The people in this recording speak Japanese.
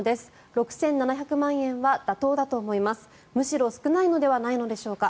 ６７００万円は妥当だと思いますむしろ少ないのではないのでしょうか。